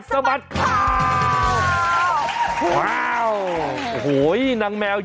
สวัสดีค่ะคุณชนะค่ะ